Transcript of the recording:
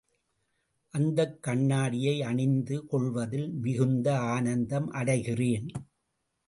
அந்தக் கண்ணாடியை அணிந்து கொள்வதில் மிகுந்த ஆனந்தம் அடைகிறேன்.